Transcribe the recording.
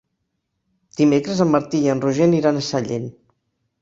Dimecres en Martí i en Roger aniran a Sallent.